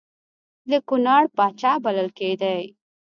د کنړ پاچا بلل کېدی.